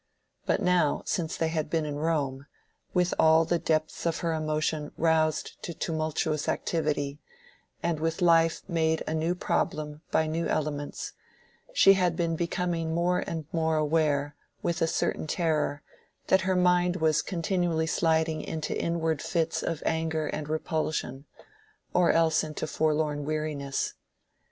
But now, since they had been in Rome, with all the depths of her emotion roused to tumultuous activity, and with life made a new problem by new elements, she had been becoming more and more aware, with a certain terror, that her mind was continually sliding into inward fits of anger and repulsion, or else into forlorn weariness.